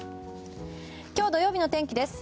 今日土曜日の天気です。